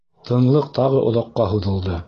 Тынлыҡ тағы оҙаҡҡа һуҙылды.